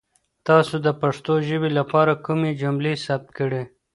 تاسو د پښتو ژبې لپاره کومې جملې ثبت کړي؟